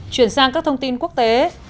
chuyển sang các thông tin quốc tế